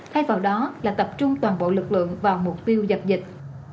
thay vào đó là tập trung toàn bộ lực lượng vào mục tiêu dập dịch